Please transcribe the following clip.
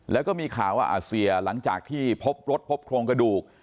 แล้วก็มีข่าวว่าอาเซียหลังจากที่พบรถพบโครงกระดูก